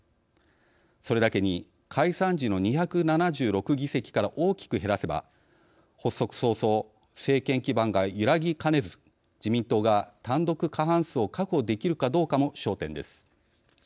それだけに解散時の２７６議席から大きく減らせば発足早々政権基盤が揺らぎかねず自民党が単独過半数を確保できるかどうかも焦点です。